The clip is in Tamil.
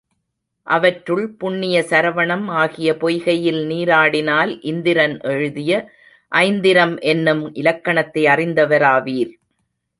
அவற்றுள் புண்ணிய சரவணம் ஆகிய பொய்கையில் நீராடினால் இந்திரன் எழுதிய ஐந்திரம் என்னும் இலக்கணத்தை அறிந்தவர் ஆவீர்.